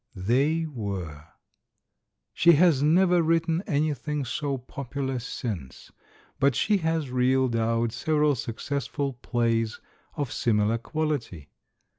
They were. She has never written anything so popular since, but she has reeled out several successful plays, of similar quality.